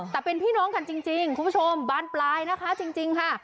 แต่เป็นพี่น้องกันจริงคุณผู้ชมบานปลายนะคะจริงค่ะ